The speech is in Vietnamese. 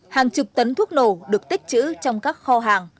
hàng chục tấn thuốc nổ được tích chữ trong các kho hàng